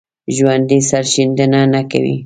ژوندي سرښندنه کوي